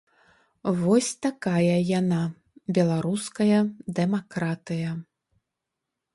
Вось такая яна, беларуская дэмакратыя.